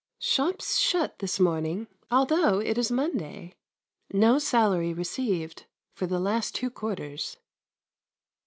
Shops shut this morning, although it is Monday. No salary received for the last two quarters.